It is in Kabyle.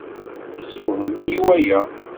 Yessewhem-iyi waya.